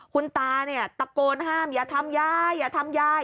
คุณตาเนี่ยตะโกนห้ามอย่าทำยายอย่าทำยาย